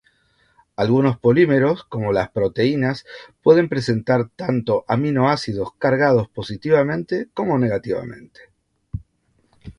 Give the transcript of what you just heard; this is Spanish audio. Algunos polímeros como las proteínas pueden presentar tanto aminoácidos cargados positivamente como negativamente.